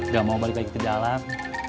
gak mau balik balik ke jalan